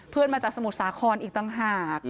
เพื่อนมาจากสมุทรสาครอีกตั้งหาก